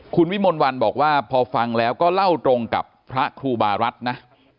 คุณวิมลวันบอกว่าพอฟังแล้วก็เล่าตรงกับพระครูบารัฐนะ